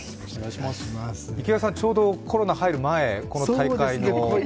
池谷さん、ちょうどコロナ入る前、この大会の、ありましたよね。